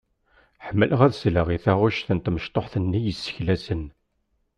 Ḥemmleɣ ad sleɣ i taɣect n tmecṭuḥt-nni i yesseklasen.